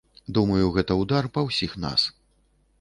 Думаю, гэта ўдар па ўсіх нас.